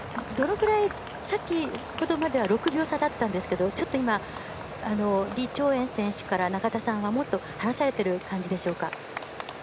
先ほどまでは６秒差だったんですけどちょっと今、李朝燕選手から永田さんはもっと離されている感じでしょうか。